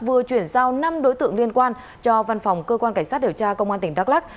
vừa chuyển giao năm đối tượng liên quan cho văn phòng cơ quan cảnh sát điều tra công an tỉnh đắk lắc